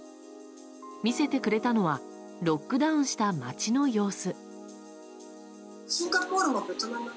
見せてくれたのはロックダウンした街の様子。